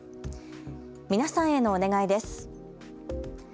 皆さんへのお願いです。